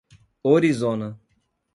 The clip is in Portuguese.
Orizona